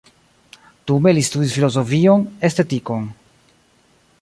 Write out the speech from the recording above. Dume li studis filozofion, estetikon.